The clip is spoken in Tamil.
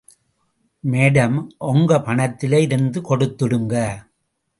மேடம்... ஓங்க பணத்துல இருந்து கொடுத்துடுங்க.